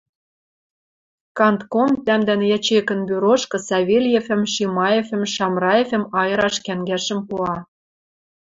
Кантком тӓмдӓн ячейкӹн бюрошкы Савельевӹм, Шимаевӹм, Шамраевӹм айыраш кӓнгӓшӹм пуа.